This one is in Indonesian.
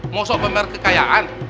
mau sok pamer kekayaan